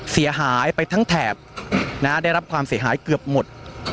เสียหายไปทั้งแถบได้รับความเสียหายเกือบหมด